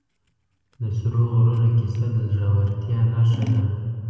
د سرو غرونو کیسه د زړه ورتیا نښه ده.